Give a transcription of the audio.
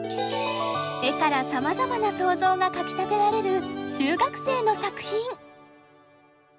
絵からさまざまな想像がかきたてられる中学生の作品。